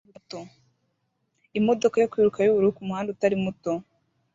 Imodoka yo kwiruka yubururu kumuhanda utari muto